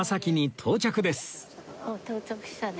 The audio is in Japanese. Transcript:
到着したね。